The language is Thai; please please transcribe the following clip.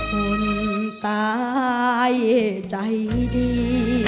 คนตายใจดี